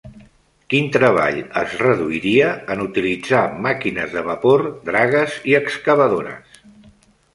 Quin treball es reduiria en utilitzar màquines de vapor, dragues i excavadores?